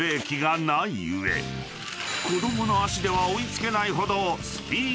［子供の足では追い付けないほど］